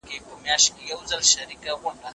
تاسي کله د هیواد د ابادۍ لپاره مبارزه وکړه؟